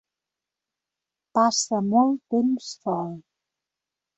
Passa molt temps sol.